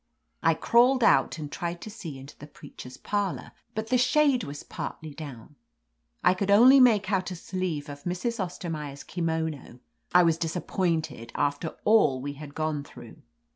I crawled out and tried to see into the preacher's parlor, but the shade was partly down. I could only make out a sleeve of Mrs. Ostermaier's kimono. I was disappointed after all we had gone through.